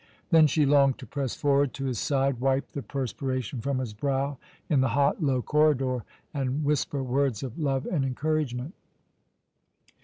Then she longed to press forward to his side, wipe the perspiration from his brow in the hot, low corridor, and whisper words of love and encouragement.